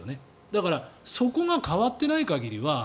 だからそこが変わってない限りは。